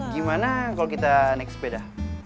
gimana kalau kita naik sepeda